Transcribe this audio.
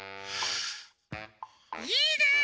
いいね！